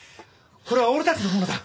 これは俺たちのものだ！